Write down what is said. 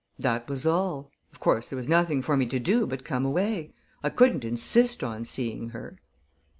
"That was all. Of course, there was nothing for me to do but come away. I couldn't insist on seeing her."